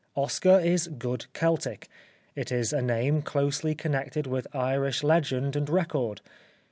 Oscar is good Celtic, it is a name closely connected with Irish legend and record.